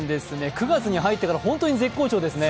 ９月に入ってから本当に絶好調ですね。